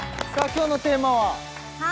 今日のテーマは？